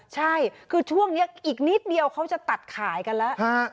ใช่คือช่วงนี้อีกนิดเดียวเขาจะตัดขายกันแล้ว